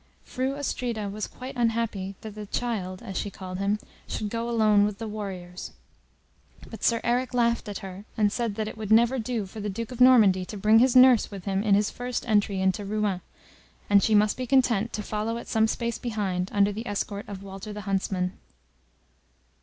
Fru Astrida was quite unhappy that "the child," as she called him, should go alone with the warriors; but Sir Eric laughed at her, and said that it would never do for the Duke of Normandy to bring his nurse with him in his first entry into Rouen, and she must be content to follow at some space behind under the escort of Walter the huntsman.